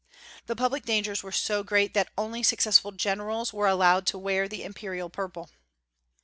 The public dangers were so great that only successful generals were allowed to wear the imperial purple.